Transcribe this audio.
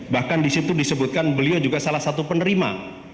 bahkan di situ disebutkan beliau juga salah satu penerima